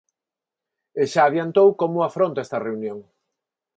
E xa adiantou como afronta esta reunión.